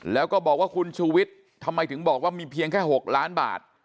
แล้วก็บอกว่าคุณชูวิทย์ทำไมถึงบอกว่ามีเพียงแค่๖ล้านบาท